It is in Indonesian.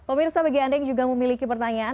pemirsa bagi anda yang juga memiliki pertanyaan